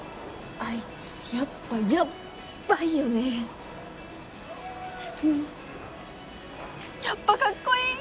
あいつやっぱヤッバいよねうんやっぱカッコいい！